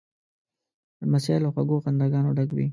لمسی له خوږو خنداګانو ډک وي.